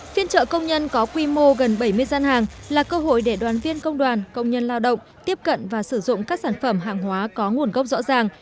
phiên trợ công nhân có quy mô gần bảy mươi gian hàng là cơ hội để đoàn viên công đoàn công nhân lao động tiếp cận và sử dụng các sản phẩm hàng hóa có nguồn gốc rõ ràng